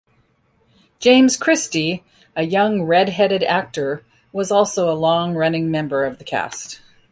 James Christie, a young red-headed actor, was also a long-running member of the cast.